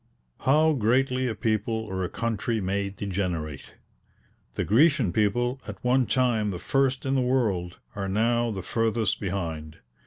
How greatly a people or a country may degenerate! The Grecian people, at one time the first in the world, are now the furthest behind!